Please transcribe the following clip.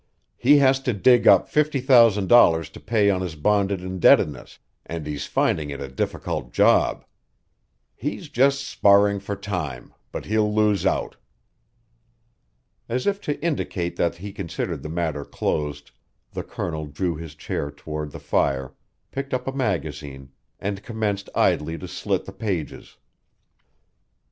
He has to dig up fifty thousand dollars to pay on his bonded indebtedness, and he's finding it a difficult job. He's just sparring for time, but he'll lose out." As if to indicate that he considered the matter closed, the Colonel drew his chair toward the fire, picked up a magazine, and commenced idly to slit the pages.